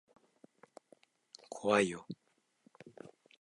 怖いよ。